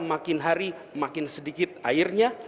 makin hari makin sedikit airnya